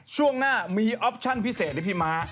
ช่วงหน้ามีออปชั่นพิเศษให้พี่ม้า